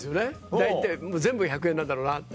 大体もう全部が１００円なんだろうなって。